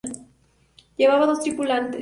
Llevaba dos tripulantes.